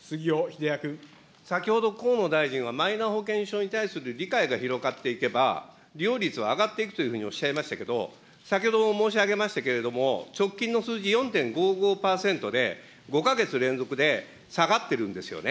先ほど、河野大臣はマイナ保険証に対する理解が広がっていけば、利用率は上がっていくというふうにおっしゃいましたけれども、先ほども申し上げましたけれども、直近の数字、４．５５％で、５か月連続で下がってるんですよね。